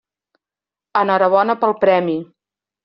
Enhorabona pel premi.